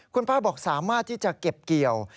คุณป้าบอกสามารถที่จะเก็บเกี่ยว